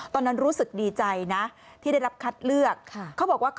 ตอนนั้นรู้สึกดีใจนะที่ได้รับคัดเลือกเขาบอกว่า